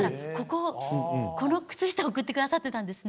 この靴下を送ってくださっていたんですね。